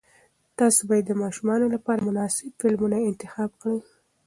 تاسې باید د ماشومانو لپاره مناسب فلمونه انتخاب کړئ.